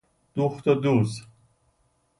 دوخت و دوز